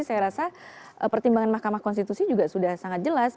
saya rasa pertimbangan mahkamah konstitusi juga sudah sangat jelas